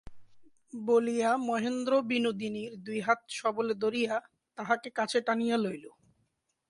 বলিয়া মহেন্দ্র বিনোদিনীর দুই হাত সবলে ধরিয়া তাহাকে কাছে টানিয়া লইল।